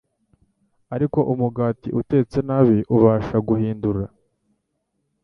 ariko umugati utetse nabi ubasha guhindura